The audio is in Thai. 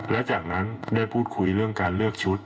และจากนั้นได้พูดคุยเรื่องการเลือกชุด